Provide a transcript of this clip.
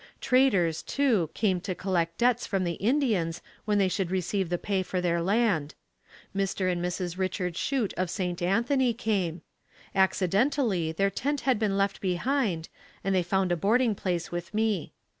Traders, too, came to collect debts from the Indians when they should receive the pay for their land. Mr. and Mrs. Richard Chute of St. Anthony came. Accidentally their tent had been left behind and they found a boarding place with me.